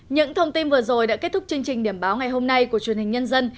những thông tin vừa rồi đã kết thúc chương trình điểm báo ngày hôm nay của truyền hình nhân dân